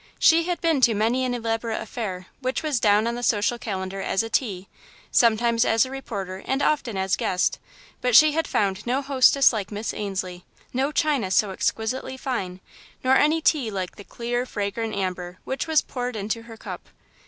She had been to many an elaborate affair, which was down on the social calendar as a "tea," sometimes as reporter and often as guest, but she had found no hostess like Miss Ainslie, no china so exquisitely fine, nor any tea like the clear, fragrant amber which was poured into her cup.